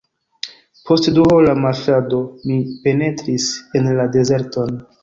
Post duhora marŝado, mi penetris en la dezerton.